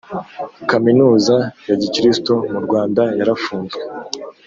Kaminuza ya gikristo mu Rwanda yarafunzwe